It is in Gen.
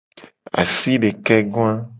Asidekegoa.